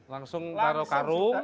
langsung taruh karung